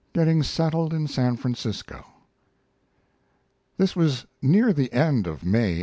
GETTING SETTLED IN SAN FRANCISCO This was near the end of May, 1864.